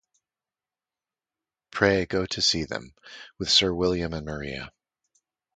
Pray go to see them, with Sir William and Maria.